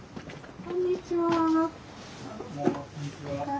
こんにちは。